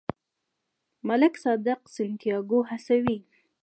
ملک صادق سانتیاګو هڅوي.